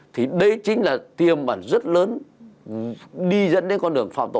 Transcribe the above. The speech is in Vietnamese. thì đây chính là tiềm bản rất lớn đi dẫn đến con đường phạm tội